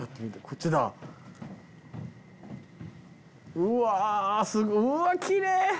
うわーすごい。